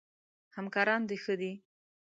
همکاران د ښه دي؟